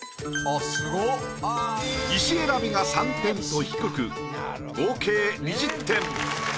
石選びが３点と低く合計２０点。